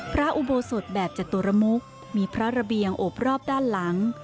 พระอุโบสถแบบจตุรมุกมีพระระเบียงโอบรอบด้านหลัง